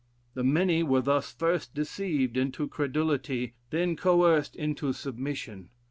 The many were thus first deceived into credulity, then coerced into submission.